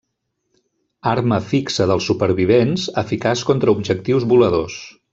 Arma fixa dels supervivents, eficaç contra objectius voladors.